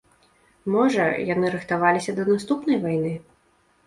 Можа, яны рыхтаваліся да наступнай вайны?